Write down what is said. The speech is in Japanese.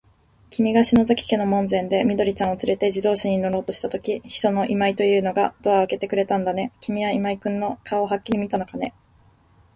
きみが篠崎家の門前で、緑ちゃんをつれて自動車に乗ろうとしたとき、秘書の今井というのがドアをあけてくれたんだね。きみは今井君の顔をはっきり見たのかね。